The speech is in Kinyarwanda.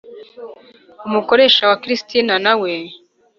Umukoresha wa Christina na we